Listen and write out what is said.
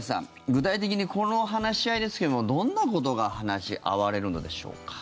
具体的にこの話し合いですけどもどんなことが話し合われるのでしょうか。